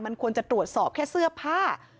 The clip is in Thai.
มันควรจะตรวจสอบแค่เสื้อผ้า